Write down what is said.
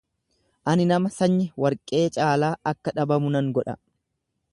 Ani nama sanyi warqee caalaa akka dhabamu nan godha.